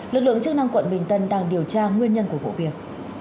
lực lượng chức năng quận bình tân đang điều tra nguyên nhân của vụ việc